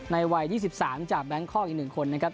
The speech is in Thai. ในวัย๒๓จากแบงค์คอปยูเตะอีกหนึ่งคนนะครับ